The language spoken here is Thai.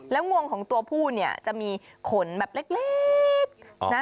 แล้วงวงของตัวผู้เนี่ยจะมีขนแบบเล็กนะ